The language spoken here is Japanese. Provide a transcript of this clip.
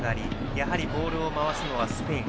やはりボールを回すのはスペイン。